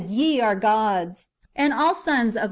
Ye are gods, and all sons of 1 Ps.'